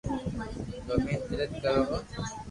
گومين تيرٿ ڪرو ھون